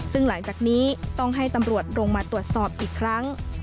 ซึ่งหลังจากนี้ต้องให้ตำรวจลงมาตรวจสอบอีกครั้ง